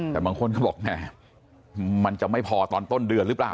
แต่บางคนก็บอกแหมมันจะไม่พอตอนต้นเดือนหรือเปล่า